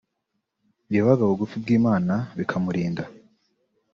yabaga bugufi bw’Imana bikamurinda